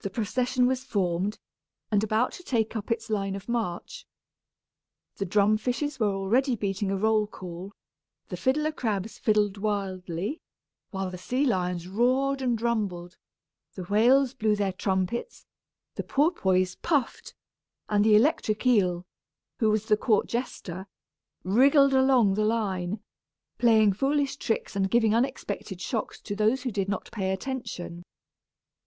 The procession was formed, and about to take up its line of march. The drum fishes were already beating a roll call; the fiddler crabs fiddled wildly; while the sea lions roared and rumbled, the whales blew their trumpets, the porpoise puffed, and the electric eel, who was the court jester, wriggled along the line, playing foolish tricks and giving unexpected shocks to those who did not pay attention.